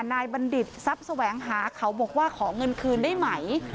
บัณฑิตทรัพย์แสวงหาเขาบอกว่าขอเงินคืนได้ไหม